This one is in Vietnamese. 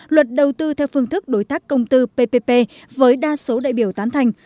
luật đầu tư theo phương thức đối tác công tư ppp với đa số đại biểu tán thành